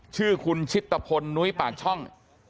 ชื่อคุณชิตตะพลนุ้ยปากช่อง